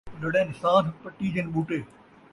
لڑن سانھ پٹیجن ٻوٹے